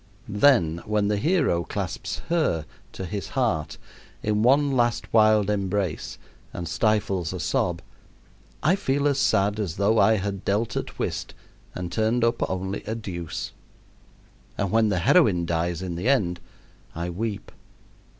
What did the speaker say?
Then, when the hero clasps "her" to his heart in one last wild embrace and stifles a sob, I feel as sad as though I had dealt at whist and turned up only a deuce; and when the heroine dies in the end I weep.